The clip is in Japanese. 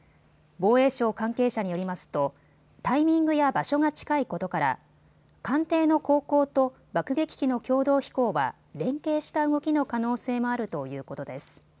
防衛省関係者によりますとタイミングや場所が近いことから艦艇の航行と爆撃機の共同飛行は連携した動きの可能性もあるということです。